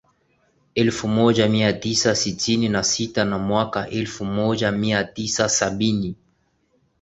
elfu moja mia tisa sitini na sita na mwaka elfu moja mia tisa sabini